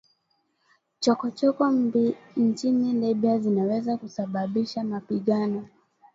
Chokochoko nchini Libya zinaweza kusababisha mapigano